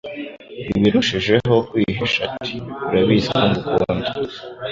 ibirushijeho kwihisha ati: "Urabizi ko ngukunda".